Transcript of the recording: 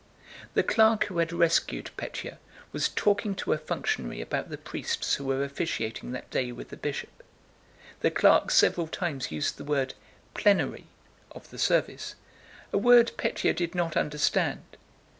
The clerk who had rescued Pétya was talking to a functionary about the priests who were officiating that day with the bishop. The clerk several times used the word "plenary" (of the service), a word Pétya did not understand.